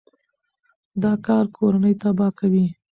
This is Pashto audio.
دا کار کورنۍ تباه کوي.